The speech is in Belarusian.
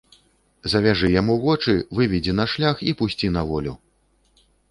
Завяжы яму вочы, выведзі на шлях і пусці на волю!